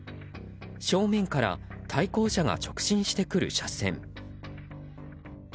正面から対向車が直進してくる車線。